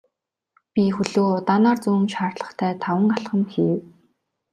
Би хөлөө удаанаар зөөн шаардлагатай таван алхам хийв.